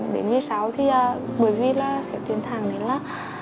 đến một mươi sáu thì bởi vì là sẽ tuyên thẳng đến là